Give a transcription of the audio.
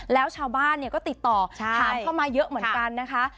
แล้วชาวบ้านก็ติดต่อถามเข้ามาเยอะเหมือนกันนะคะ